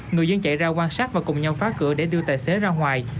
người dân chạy ra quan sát và cùng nhau phá cửa để đưa tài xế ra ngoài